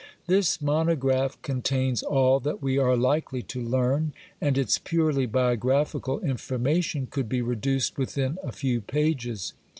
This monograph contains all that we are likely to learn, and its purely biographical information could be reduced within a few pages.